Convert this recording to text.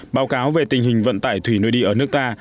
báo cáo về tình hình vận tải thủy nội địa ở nước ta